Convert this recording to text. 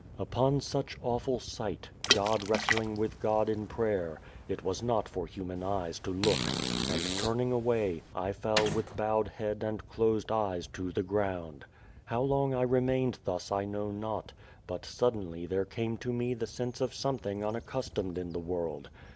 Upon such awful sight God wrestling with God in prayer it was not for human eyes to look, and turning away, I fell with bowed head and closed eyes to the ground. How long I remained thus I know not, but suddenly there came to me the sense of something un accustomed in the world.